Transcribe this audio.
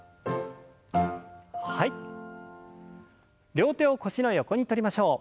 両手を腰の横にとりましょう。